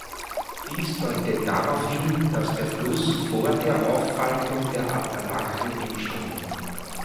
Dies deutet darauf hin, dass der Fluss vor der Auffaltung der Appalachen entstand.